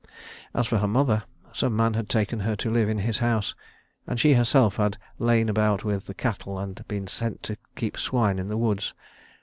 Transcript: As for her mother, some man had taken her to live in his house, and she herself had lain about with the cattle, and had been sent to keep swine in the woods.